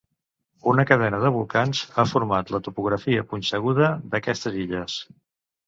Una cadena de volcans ha format la topografia punxeguda d'aquestes illes.